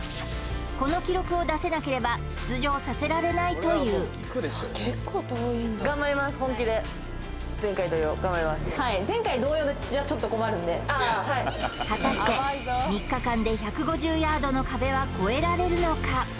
この記録を出せなければ出場させられないという果たして３日間で１５０ヤードの壁は越えられるのか？